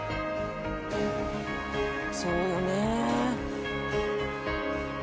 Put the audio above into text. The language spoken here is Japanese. そうよね。